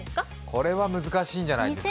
これは難しいんじゃないですか。